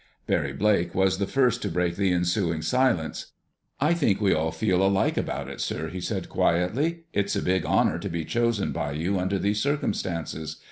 Barry Blake was the first to break the ensuing silence. "I think we all feel alike about it, sir," he said quietly. "It's a big honor to be chosen by you under these circumstances.